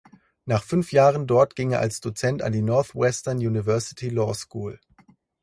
Nach fünf Jahren dort ging er als Dozent an die Northwestern University Law School.